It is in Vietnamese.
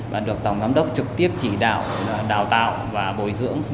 và được tổng giám đốc trực tiếp chỉ đạo đào tạo và bồi dưỡng